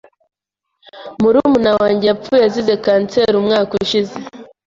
Murumuna wanjye yapfuye azize kanseri umwaka ushize.